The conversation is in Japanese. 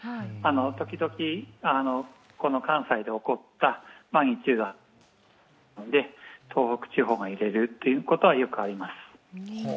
時々、この関西で起こったもので東北地方が揺れるということはよくあります。